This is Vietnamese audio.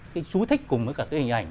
cái chú thích cùng với cả cái hình ảnh